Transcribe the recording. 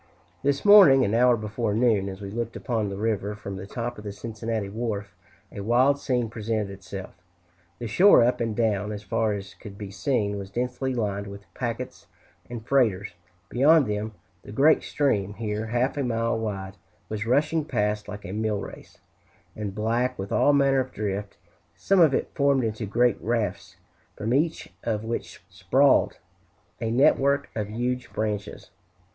This morning, an hour before noon, as we looked upon the river from the top of the Cincinnati wharf, a wild scene presented itself. The shore up and down, as far as could be seen, was densely lined with packets and freighters; beyond them, the great stream, here half a mile wide, was rushing past like a mill race, and black with all manner of drift, some of it formed into great rafts from each of which sprawled a network of huge branches.